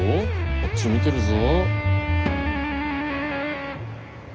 こっち見てるぞ。